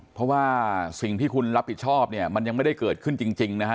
เพราะว่าสิ่งที่คุณรับผิดชอบเนี่ยมันยังไม่ได้เกิดขึ้นจริงนะฮะ